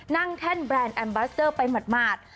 แท่นแบรนด์แอมบัสเตอร์ไปหมาด